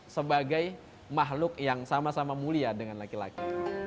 sebagai makhluk yang sama sama mulia dengan laki laki